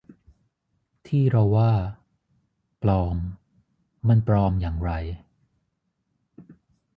ที่เราว่า ปลอม มันปลอมอย่างไร